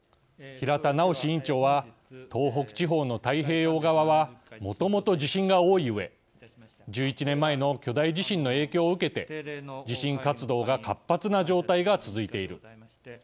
平田直委員長は「東北地方の太平洋側はもともと地震が多いうえ１１年前の巨大地震の影響を受けて地震活動が活発な状態が続いている。